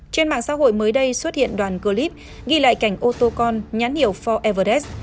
trên mạng xã hội mới đây xuất hiện đoàn clip ghi lại cảnh ô tô con nhãn hiệu for everdes